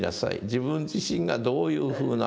自分自身がどういうふうな。